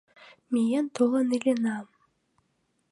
Миен-толын илена.